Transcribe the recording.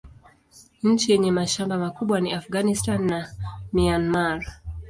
Nchi yenye mashamba makubwa ni Afghanistan na Myanmar.